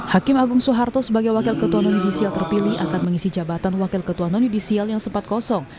hakim agung soeharto sebagai wakil ketua non yudisial terpilih akan mengisi jabatan wakil ketua non yudisial yang sempat kosong